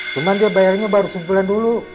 cuman dia bayarnya baru sebulan dulu